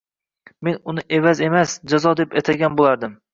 Men uni evaz emas, jazo deb atagan boʻlardim